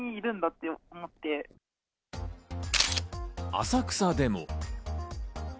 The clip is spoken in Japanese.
浅草でも。